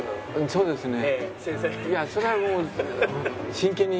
そうですね。